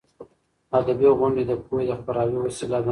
ادبي غونډې د پوهې د خپراوي وسیله ده.